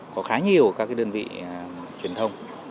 có khá nhiều các đơn vị truyền thông